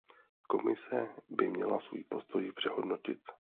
Komise by měla svůj postoj přehodnotit.